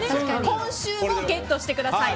今週もゲットしてください。